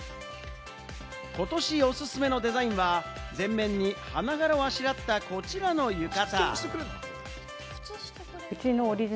ことしおすすめのデザインは、全面に花柄をあしらった、こちらの浴衣。